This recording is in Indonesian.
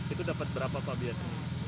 itu dapat berapa pak